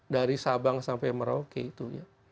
dari sabang sampai merauke itu ya